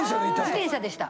自転車でした。